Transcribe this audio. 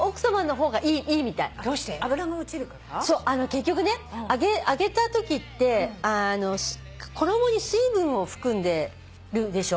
結局ね揚げたときって衣に水分を含んでるでしょ？